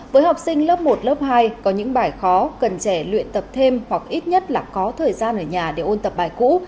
với học sinh lớp một lớp hai có những bài khó cần trẻ luyện tập thêm hoặc ít nhất là có thời gian ở nhà để ôn tập bài cũ